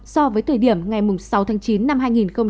so với thời điểm ngày sáu tháng chín năm hai nghìn hai mươi một